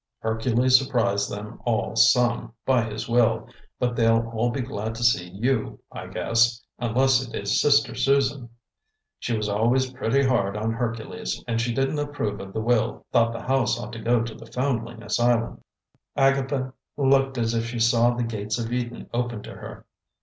"Hercules surprised them all some, by his will. But they'll all be glad to see you, I guess, unless it is Sister Susan. She was always pretty hard on Hercules; and she didn't approve of the will thought the house ought to go to the Foundling Asylum." Agatha looked as if she saw the gates of Eden opened to her.